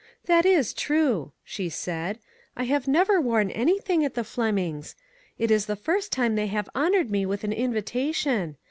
" That is true," she said. " I have never worn anything at the Flemings. It is the first time they have honored me with an in vitation.